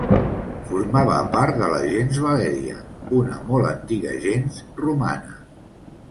Formava part de la gens Valèria, una molt antiga gens romana.